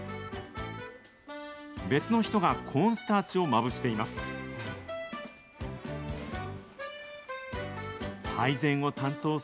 別の人がコーンスターチをまぶしています。